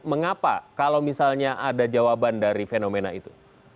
mengapa kalau misalnya ada jawaban dari fenomena itu